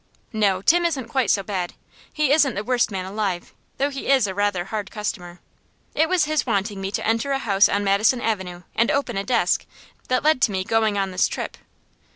"No; Tim isn't quite so bad. He isn't the worst man alive, though he is a rather hard customer. It was his wanting me to enter a house on Madison Avenue and open a desk that led to me going on this trip."